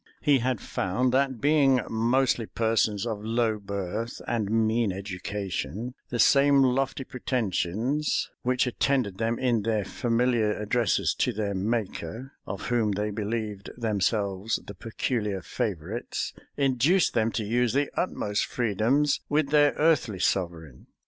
He had found, that being mostly persons of low birth and mean education, the same lofty pretensions which attended them in their familiar addresses to their Maker, of whom they believed themselves the peculiar favorites, induced them to use the utmost freedoms with their earthly sovereign.